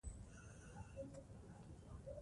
ازادي راډیو د ورزش ته پام اړولی.